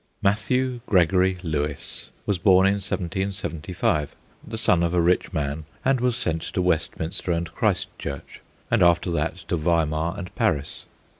Matthew Gregory Lewis was born in 1775, the son of a rich man, and was sent to "Westminster and Christ Church, and after that to Weimar and Paris.